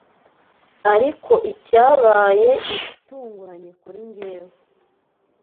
Ariko icyabaye igitunguranye kuri njyewe